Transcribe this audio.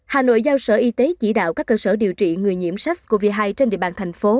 hà nội giao sở y tế chỉ đạo các cơ sở điều trị người nhiễm sars cov hai trên địa bàn thành phố